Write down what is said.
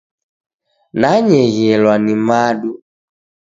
Nanyeghelwa ni madu.